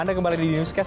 anda kembali di newscast